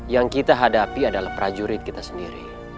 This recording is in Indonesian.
yang kita hadapi adalah prajurit kita sendiri